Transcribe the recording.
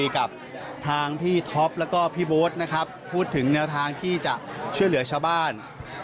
กับทางพี่ท็อปแล้วก็พี่โบ๊ทนะครับพูดถึงแนวทางที่จะช่วยเหลือชาวบ้าน